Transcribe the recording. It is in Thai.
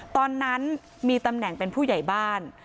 ตอนนั้นมีตำแหน่งเป็นผู้ใหญ่บ้าน